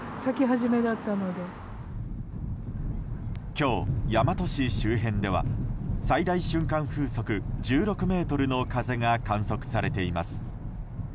今日、大和市周辺では最大瞬間風速１６メートルの風が観測されています。